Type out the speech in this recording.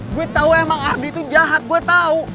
gue tau emang ardi tuh jahat gue tau